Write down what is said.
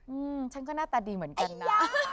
อืมฉันก็หน้าตาดีเหมือนกันนะ